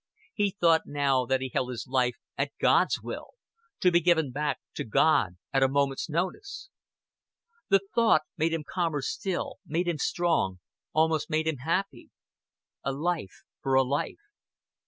He thought now that he held his life at God's will to be given back to God at a moment's notice. This thought made him calmer still, made him strong, almost made him happy. A life for a life.